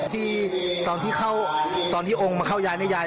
ที่ตอนที่เข้าตอนที่องค์มาเข้ายายนี่ยาย